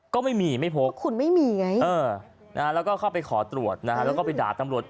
ก็ไม่มีไม่พกเออแล้วก็เข้าไปขอตรวจนะครับแล้วก็ไปด่าตำรวจ